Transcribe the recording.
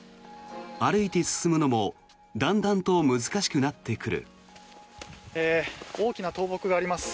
歩いて進むのもだんだんと難しくなってくる。